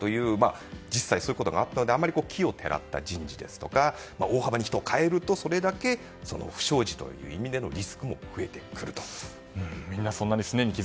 実際、そういうことがあったので奇をてらった人事ですとか大幅に人を代えるとそれだけ、不祥事という意味でのリスクも増えると。